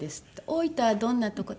「大分はどんなとこ？」